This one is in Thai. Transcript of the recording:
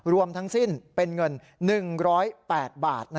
รวมทั้งสิ้นเป็นเงิน๑๐๘บาท